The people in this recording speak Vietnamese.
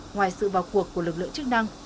ngoài sự vào cuộc của lực lượng chức năng